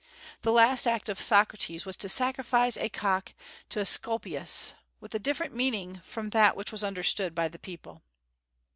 The last act of Socrates was to sacrifice a cock to Esculapius, with a different meaning from that which was understood by the people.